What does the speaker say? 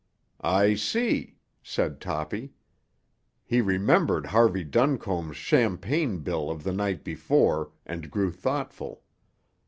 "I see," said Toppy. He remembered Harvey Duncombe's champagne bill of the night before and grew thoughtful.